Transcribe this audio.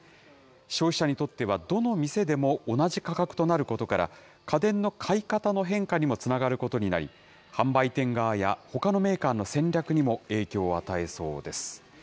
消費者にとっては、どの店でも同じ価格となることから、家電の買い方の変化にもつながることになり、販売店側やほかのメーカーの戦略にも影響を与えそうです。